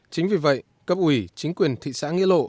chính vì vậy cấp ủy chính quyền thị xã nghĩa lộ